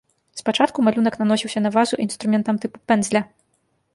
Спачатку малюнак наносіўся на вазу інструментам тыпу пэндзля.